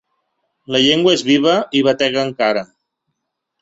La llengua és viva i batega encara.